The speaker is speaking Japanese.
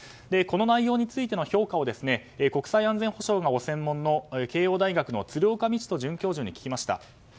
この内容についての評価を国際安全保障がご専門の慶應大学の鶴岡路人准教授に聞きました。